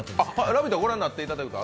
「ラヴィット！」はご覧になっていただいたこと